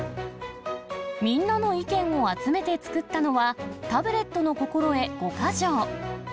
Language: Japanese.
みんなの意見を集めて作ったのは、タブレットの心得５か条。